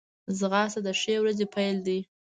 ځغاسته د ښې ورځې پیل دی